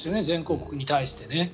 全国に対して。